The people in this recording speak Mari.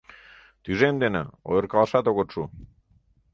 Тӱжем дене... ойыркалашат огыт шу.